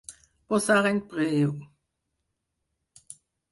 Posar en preu.